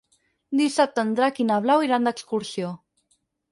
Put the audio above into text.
Dissabte en Drac i na Blau iran d'excursió.